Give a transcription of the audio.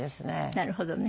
なるほどね。